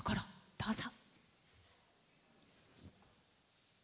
どうぞ。